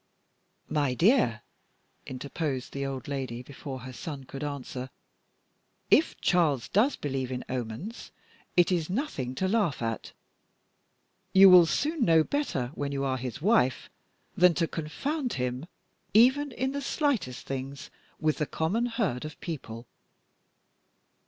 "My dear," interposed the old lady, before her son could answer, "if Charles does believe in omens, it is nothing to laugh at. You will soon know better, when you are his wife, than to confound him, even in the slightest things, with the common herd of people.